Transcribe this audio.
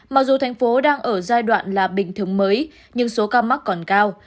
mặc dù thành phố đang ở giai đoạn là bình thường mới nhưng số ca mắc còn cao